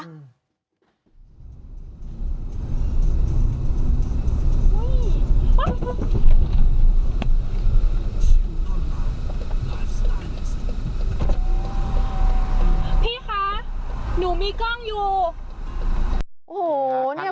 พี่คะหนูมีกล้องอยู่